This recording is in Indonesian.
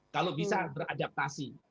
kalau bisa beradaptasi